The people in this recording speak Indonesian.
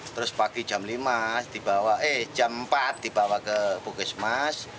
terus pagi jam empat dibawa ke puskesmas